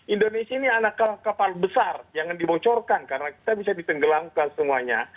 indonesia ini anak kapal besar jangan dibocorkan karena kita bisa ditenggelamkan semuanya